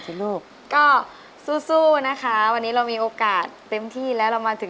จะมั่นกับเธอแค่คนเดียวเธอชวนไปเสี้ยวไม่เหลี่ยวหัวลบแน่นอน